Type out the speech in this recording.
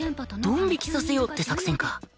ドン引きさせようって作戦か